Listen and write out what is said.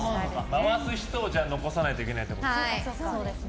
回す人を残さないといけないってことですか。